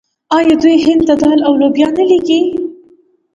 آیا دوی هند ته دال او لوبیا نه لیږي؟